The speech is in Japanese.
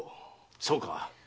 そうか。